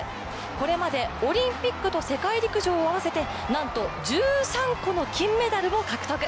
これまでオリンピックと世界陸上合わせてなんと１３個の金メダルを獲得。